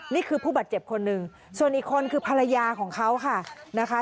ผู้บาดเจ็บคนหนึ่งส่วนอีกคนคือภรรยาของเขาค่ะนะคะ